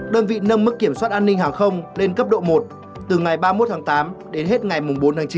đơn vị nâng mức kiểm soát an ninh hàng không lên cấp độ một từ ngày ba mươi một tháng tám đến hết ngày bốn tháng chín